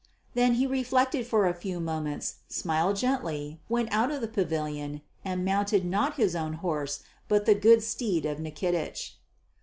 Then he reflected for a few moments, smiled gently, went out of the pavilion and mounted not his own horse but the good steed of Nikitich.